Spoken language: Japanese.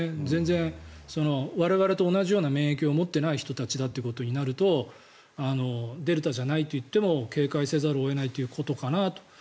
全然、我々と同じような免疫を持っていない人たちだってことになるとデルタじゃないといっても警戒せざるを得ないことかなと。